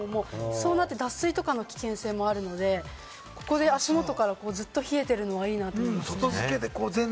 そうなると脱水の危険性もあるので、ここで足元からずっと冷えてるのいいなと思いますね。